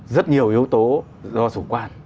rất nhiều yếu tố do dụng quan